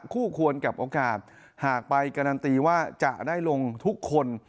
คู่ควรกับโอกาสหากไปการันตีว่าจะได้ลงทุกคน